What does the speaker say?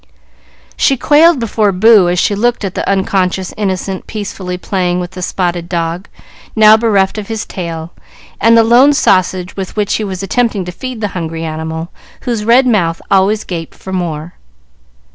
She quailed before Boo as she looked at the unconscious innocent peacefully playing with the spotted dog, now bereft of his tail, and the lone sausage with which he was attempting to feed the hungry animal, whose red mouth always gaped for more.